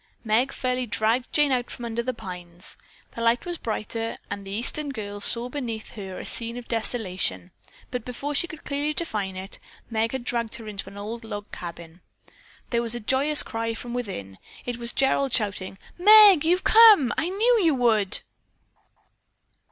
Meg fairly dragged Jane out from under the pines. The light was brighter and the Eastern girl saw beneath her a scene of desolation, but before she could clearly define it, Meg had dragged her into an old log cabin. There was a joyous cry from within. It was Gerald shouting, "Meg, you've come. I knew you would."